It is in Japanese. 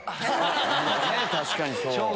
確かにそう。